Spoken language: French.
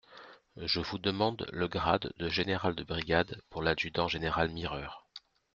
Je vous demande le grade de général de brigade pour l'adjudant-général Mireur.